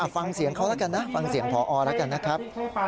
ฟังเสียงเขาแล้วกันนะฟังเสียงพอแล้วกันนะครับ